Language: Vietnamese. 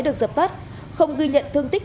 được dập tắt không ghi nhận thương tích